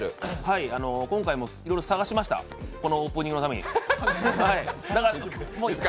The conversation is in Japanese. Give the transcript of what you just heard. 今回もいろいろ探しました、このオープニングのために。